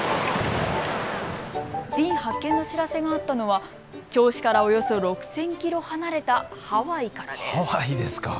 瓶発見の知らせがあったのは銚子からおよそ６０００キロ離れたハワイからです。